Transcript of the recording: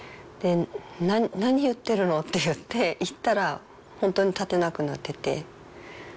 「何言ってるの？」って言って行ったら本当に立てなくなってて。